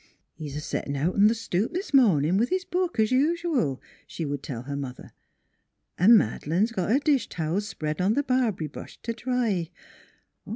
" He's a settin' out on the stoop this mornin', with his book, es usual," she would tell her mother. " An' Mad'lane's got her dish towels spread on th' barb'ry bush t' dry.